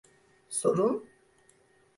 Sorun?